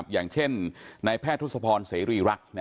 อย่างเช่นไนแพทย์ทุศภอลเศรภิรักษ์